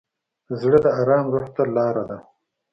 زړه د ارام روح ته لاره ده.